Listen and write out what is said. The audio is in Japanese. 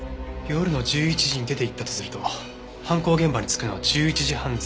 夜の１１時に出て行ったとすると犯行現場に着くのは１１時半前後。